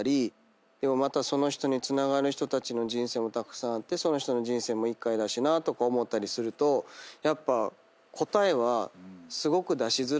でもまたその人につながる人たちの人生もたくさんあってその人の人生も１回だしなとか思ったりするとやっぱ答えはすごく出しづらいですけどね。